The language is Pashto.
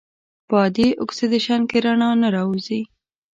په عادي اکسیدیشن کې رڼا نه راوځي.